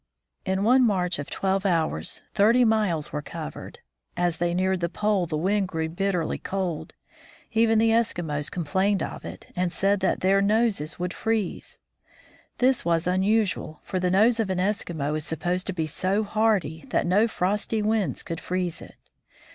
In one march of twelve hours thirty miles were covered. As they neared the Pole, the wind grew bitterly cold. Even the Eskimos complained of it, and said that their noses would freeze. This was unusual, for the nose of an Eskimo is supposed to be so hardy that no frosty winds could freeze it.